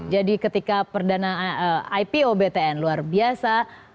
jadi ketika perdana ipo bpn luar biasa